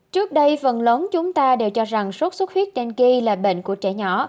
trước đây phần lớn chúng ta đều cho rằng sốt xuất huyết tên là bệnh của trẻ nhỏ